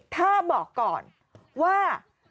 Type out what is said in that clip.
ถ้าบอกก่อนว่า